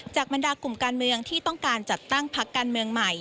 บรรดากลุ่มการเมืองที่ต้องการจัดตั้งพักการเมืองใหม่